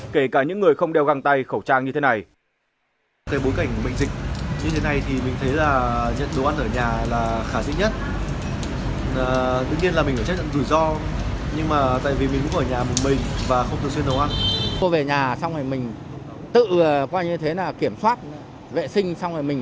kể cả những người không đeo găng tay khẩu trang như thế này